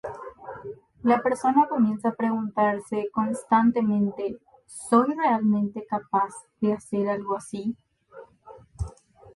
La persona comienza a preguntarse constantemente "¿Soy realmente capaz de hacer algo así?